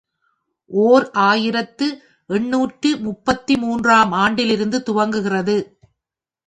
ஓர் ஆயிரத்து எண்ணூற்று முப்பத்து மூன்று ஆம் ஆண்டிலிருந்து துவங்குகிறது.